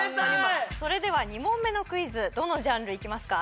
それでは２問目のクイズどのジャンルいきますか？